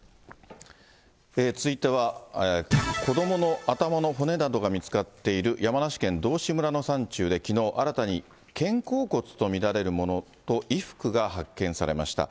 続いては、子どもの頭の骨などが見つかっている、山梨県道志村の山中できのう、新たに肩甲骨と見られるものと衣服が発見されました。